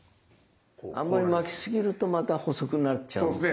あんまり巻きすぎるとまた細くなっちゃうんです。